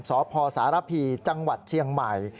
สพสารพีจังหวัดเชียงใหม่